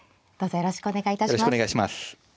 よろしくお願いします。